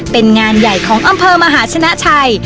เป็นงานใหญ่ของอำเภอมหาชนะชัย